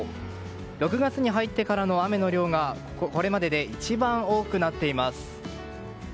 ６月に入ってからの雨の量がこれまでで一番多くなっています。